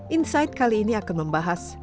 insight kali ini akan membahas